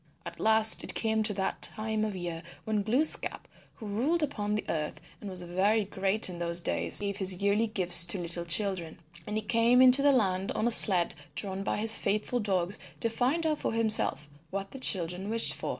At last it came to that time of year when Glooskap, who ruled upon the earth and was very great in those days, gave his yearly gifts to little children. And he came into the land on a sled drawn by his faithful dogs to find out for himself what the children wished for.